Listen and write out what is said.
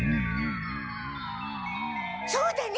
そうだね。